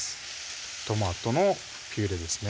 トマトのピューレですね